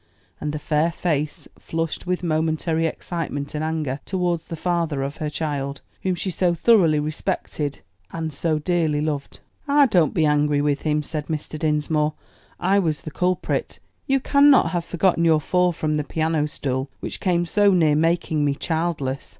and the fair face flushed with momentary excitement and anger towards the father of her child, whom she so thoroughly respected ind so dearly loved. "Ah, don't be angry with him," said Mr. Dinsmore; "I was the culprit. You cannot have forgotten your fall from the piano stool which came so near making me childless?